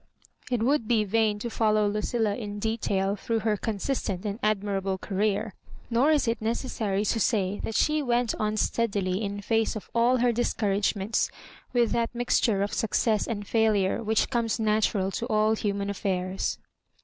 It would be vain to follow Lucilla in detail through her consistent and admirable career; nor is it necessary to say that slie went on steadi ly in face of all her discouragements, with that mixture of success and failure which comes na tural to all huinan affairs.